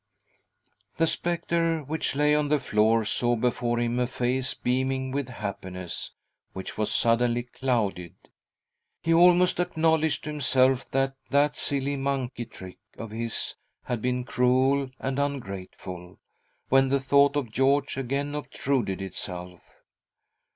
" The spectre which lay on the floor saw before him a face beaming with happiness, which was suddenly clouded. He almost acknowledged to himself that that silly monkey trick of his had been cruel and ungrateful, when the thought of George again obtruded itself.